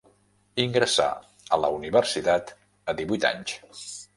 Ingressà a la universitat a divuit anys.